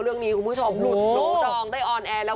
คุณผู้ชมหลุดรู้ดองได้ออนแอร์แล้ว